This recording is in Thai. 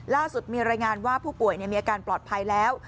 ล่าสุดมีรายงานว่าผู้ป่วยมีอาการปลอดภัยแล้ว